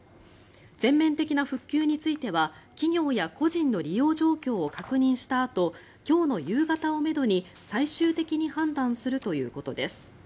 全面的な復旧については企業や個人の利用状況を確認したあと今日の夕方をめどに最終的に判断するということです。